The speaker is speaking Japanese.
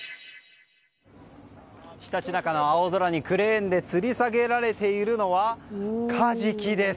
ひたちなかの青空にクレーンでつり下げられているのはカジキです！